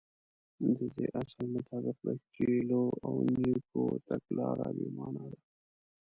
د دې اصل مطابق د ګيلو او نيوکو تګلاره بې معنا ده.